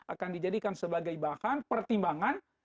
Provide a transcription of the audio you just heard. akan dijadikan sebagai bahan pertimbangan